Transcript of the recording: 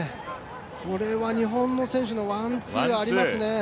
これは日本の選手のワンツーありますね。